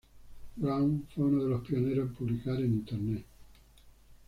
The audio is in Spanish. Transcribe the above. Brown fue uno de los pioneros en publicar en internet.